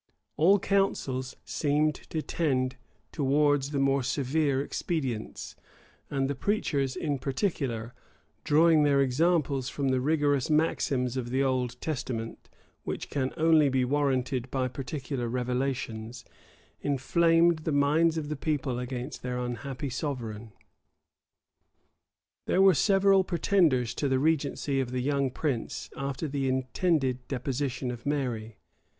* Keith, p. 414, 415, 429. Keith, p. 416. Keith, p. 427. Keith, p. 420. v Keith, p. 428. All counsels seemed to tend towards the more severe expedients; and the preachers, in particular, drawing their examples from the rigorous maxims of the Old Testament, which can only be warranted by particular revelations, inflamed the minds of the people against their unhappy sovereign.[*] There were several pretenders to the regency of the young prince after the intended deposition of Mary.